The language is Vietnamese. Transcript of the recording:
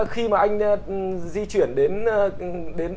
khi mà anh di chuyển đến